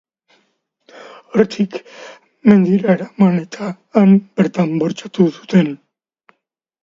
Hortik, mendira eraman eta han bortxatu zuten.